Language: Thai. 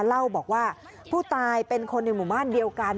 เล่าบอกว่าผู้ตายเป็นคนในหมู่บ้านเดียวกัน